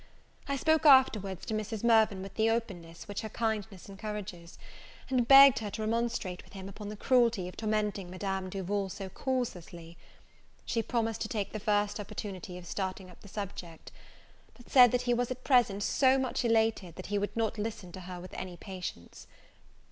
I spoke afterwards to Mrs. Mirvan with the openness which her kindness encourages, and begged her to remonstrate with him upon the cruelty of tormenting Madame Duval so causelessly. She promised to take the first opportunity of starting up the subject: but said he was at present so much elated, that he would not listen to her with any patience.